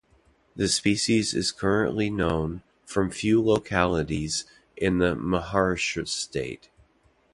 The species is currently known from few localities in the Maharashtra state.